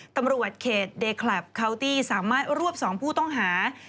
ตำรวจเขตเดคลับคาวตี้สามารถรวบ๒ผู้ต้องหา